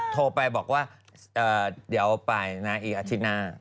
โทรไปบอกว่าเดี๋ยวไปนะอีกอาทิตย์หน้า